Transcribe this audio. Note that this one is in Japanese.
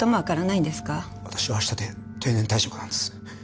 私は明日で定年退職なんです。